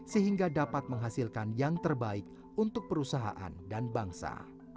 sehingga dapat menghasilkan yang terbaik untuk perusahaan dan bangsa